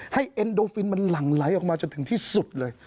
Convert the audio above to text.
ให้้โอฟิมาลั่งไร้ออกมาจนถึงที่สุดเลย